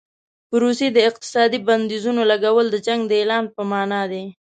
په روسیې د اقتصادي بندیزونو لګول د جنګ د اعلان په معنا دي.